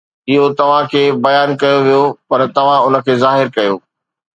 اهو توهان کي بيان ڪيو ويو، پر توهان ان کي ظاهر ڪيو.